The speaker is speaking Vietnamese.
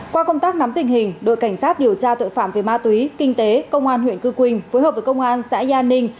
qua công tác nắm tình hình đội cảnh sát điều tra tội phạm về ma túy kinh tế công an huyện cư quỳnh phối hợp với công an xã gia ninh